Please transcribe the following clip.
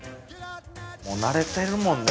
もう慣れてるもんね。